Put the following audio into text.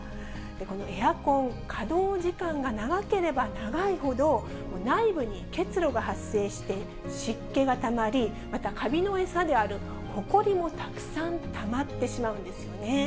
このエアコン、稼働時間が長ければ長いほど、内部に結露が発生して湿気がたまり、またカビの餌であるほこりもたくさんたまってしまうんですよね。